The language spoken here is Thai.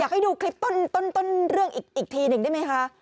ให้ดูคลิปต้นเรื่องอีกทีหนึ่งได้ไหมคะ